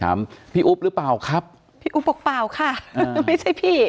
ถามพี่อุ๊บหรือเปล่าครับพี่อุ๊บบอกเปล่าค่ะไม่ใช่พี่